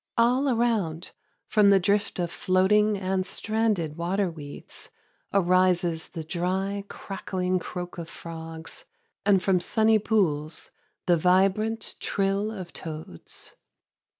All around, from the drift of floating and stranded water weeds, arises the dry, crackling croak of frogs, and from sunny pools the vibrant trill of toads.